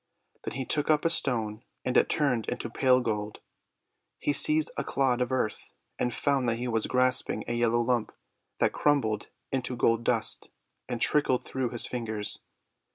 Then he took up a stone, and it turned into pale gold. He seized a clod of earth, and found that he was grasping a yellow lump that crumbled into gold dust and trickled through his ringers.